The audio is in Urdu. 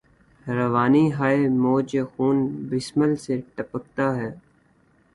روانی ہاۓ موج خون بسمل سے ٹپکتا ہے